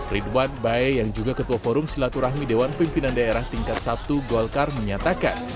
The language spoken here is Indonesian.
ridwan bae yang juga ketua forum silaturahmi dewan pimpinan daerah tingkat satu golkar menyatakan